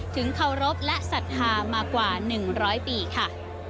เคารพและศรัทธามากว่า๑๐๐ปีค่ะ